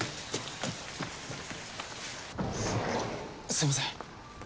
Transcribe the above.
すいません。